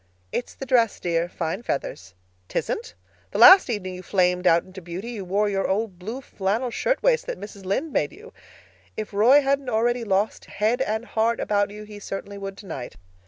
"It's the dress, dear. Fine feathers." "'Tisn't. The last evening you flamed out into beauty you wore your old blue flannel shirtwaist that Mrs. Lynde made you. If Roy hadn't already lost head and heart about you he certainly would tonight.